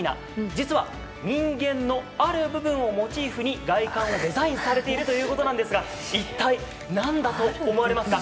実は人間のある部分をモチーフに外観がデザインされているということですが一体なんだと思われますか？